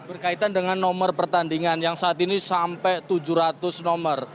berkaitan dengan nomor pertandingan yang saat ini sampai tujuh ratus nomor